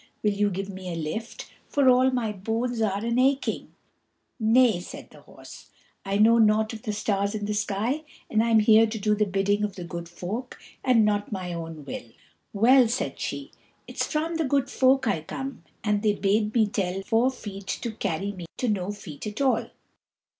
Will you give me a lift, for all my bones are an aching." "Nay," said the horse, "I know nought of the stars in the sky, and I'm here to do the bidding of the Good Folk, and not my own will." "Well," said she, "it's from the Good Folk I come, and they bade me tell Four Feet to carry me to No Feet at all."